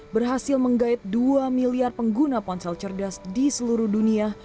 berhasil menggait dua miliar pengguna ponsel cerdas di seluruh dunia